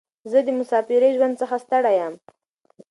زه د مساپرۍ ژوند څخه ستړی یم.